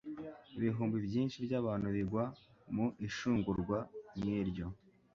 Ibihumbi byinshi by'abantu bigwa mu ishungurwa nk'iryo,